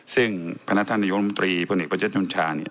ซึ่งพนักธนโยมนมตรีบริเวณประเจนชนชา